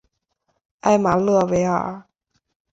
埃马勒维尔。